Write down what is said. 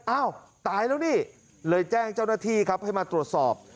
อ้าวตายแล้วนี่เลยแจ้งเจ้าหน้าที่ครับให้มาตรวจสอบ